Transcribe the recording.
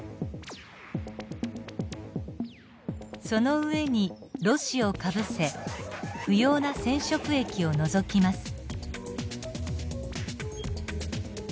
その上にろ紙をかぶせ不要な染色液を除きます。